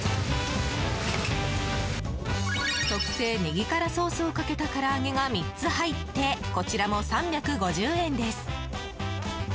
特製ネギ辛ソースをかけたから揚げが３つ入ってこちらも３５０円です。